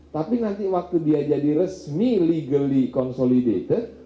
tapi nanti waktu dia jadi resmi legally consolidated